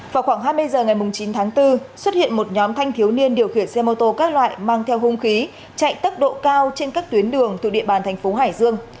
vào khoảng hai mươi h ngày chín tháng bốn xuất hiện một nhóm thanh thiếu niên điều khiển xe mô tô các loại mang theo hung khí chạy tốc độ cao trên các tuyến đường thuộc địa bàn thành phố hải dương